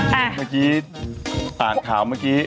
แล้วต่อมาที่ตาขาวเมื่อกี้